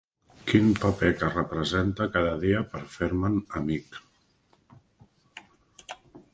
Quin paper que represente cada dia per fer-me'n amic!